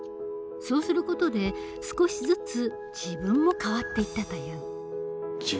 そうする事で少しずつ自分も変わっていったという。